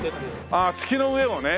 ああ月の上をね。